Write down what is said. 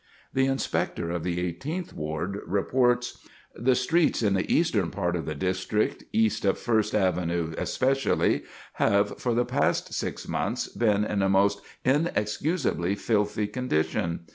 The Inspector of the Eighteenth Ward reports: "The streets in the eastern part of the district, east of First Avenue especially, have, for the past six months, been in a most inexcusably filthy condition.